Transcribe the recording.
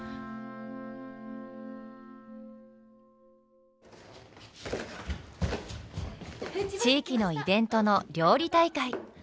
やっぱ地域のイベントの料理大会。